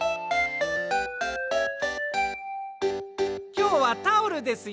きょうはタオルですよ。